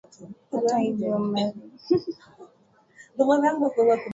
Hata hivyo maelfu ya watu waliojitokeza kumsikiliza rais wa chama akizungumza